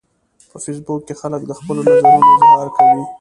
په فېسبوک کې خلک د خپلو نظرونو اظهار کوي